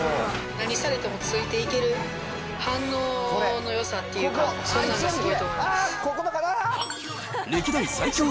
何されてもついていける反応のよさっていうか、そんなんがすごいと思います。